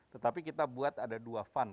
tetapi kita buat ada dua fun